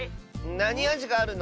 なにあじがあるの？